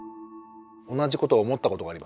同じことを思ったことがあります。